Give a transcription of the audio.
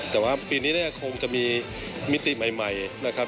แต่ว่าปีนี้เนี่ยคงจะมีมิติใหม่นะครับ